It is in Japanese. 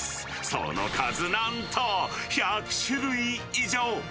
その数なんと、１００種類以上。